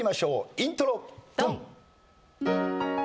イントロドン！